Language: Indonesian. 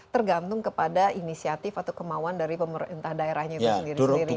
tergantung kepada inisiatif atau kemauan dari pemerintah daerahnya itu sendiri sendiri